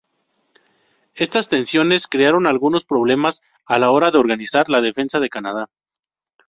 Estas tensiones crearon algunos problemas a la hora de organizar la defensa de Canadá.